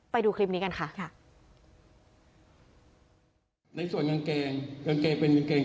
ไปดูคลิปนี้กันค่ะค่ะในส่วนกางเกงกางเกงเป็นกางเกง